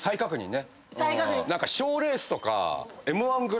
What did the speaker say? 何か賞レースとか。